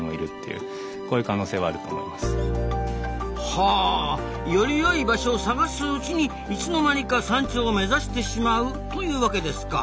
はあより良い場所を探すうちにいつの間にか山頂を目指してしまうというワケですか。